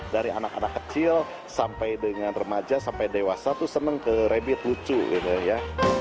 dari anak anak kecil sampai dengan remaja sampai dewasa tuh seneng ke rabbit lucu gitu ya